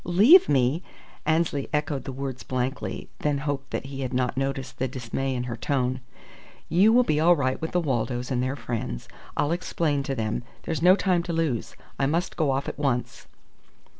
"Leave me!" Annesley echoed the words blankly, then hoped that he had not noticed the dismay in her tone. "You will be all right with the Waldos and their friends. I'll explain to them. There's no time to lose. I must go off at once."